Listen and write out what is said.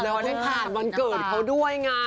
แล้วได้ผ่านวันเกิดเขาด้วยไง